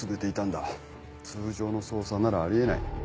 通常の捜査ならあり得ない。